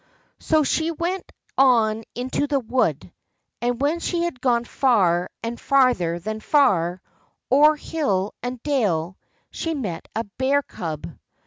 So she went on into the wood, and when she had gone far and farther than far, o'er hill and dale, she met a bear cub.